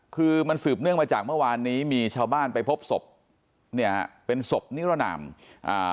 คือมันสืบเนื่องมาจากเมื่อวานนี้มีชาวบ้านไปพบศพเนี่ยเป็นศพนิรนามอ่า